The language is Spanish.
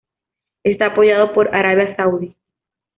Está apoyado por Arabia Saudi.